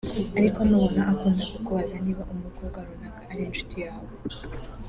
Ariko nubona akunda kukubaza niba umukobwa runaka ari inshuti yawe